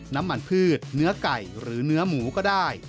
น้ำมันพืชเนื้อไก่หรือเนื้อหมูก็ได้